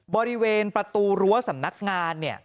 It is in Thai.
บริเวณประตูรั้วสำนักงานเนี่ย